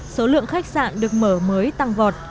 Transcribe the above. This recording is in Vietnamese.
số lượng khách sạn được mở mới tăng vòi